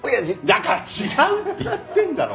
だから違うって言ってんだろ！